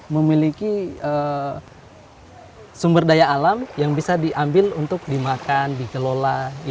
memiliki sumber daya alam yang bisa diambil untuk dimakan dikelola